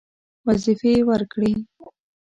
وظیفې ورکړې.